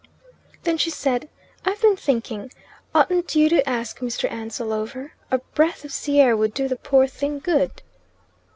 Then she said, "I've been thinking oughtn't you to ask Mr. Ansell over? A breath of sea air would do the poor thing good."